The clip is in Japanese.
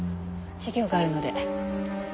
授業があるので。